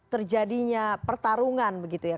terjadinya pertarungan begitu ya